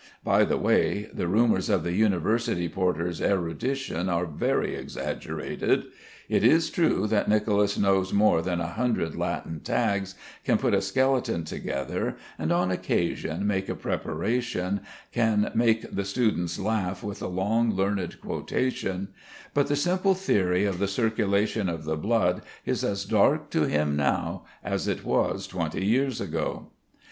By the way, the rumours of the university porter's erudition are very exaggerated. It is true that Nicolas knows more than a hundred Latin tags, can put a skeleton together and on occasion make a preparation, can make the students laugh with a long learned quotation, but the simple theory of the circulation of the blood is as dark to him now as it was twenty years ago.